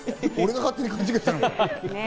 俺が勝手に勘違いしたのか。